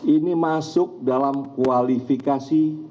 ini masuk dalam kualifikasi